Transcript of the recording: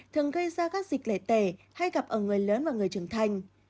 thường gây ra các dịch lẻ tẻ hay gặp ở người lớn và người trưởng thành